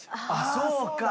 そうか！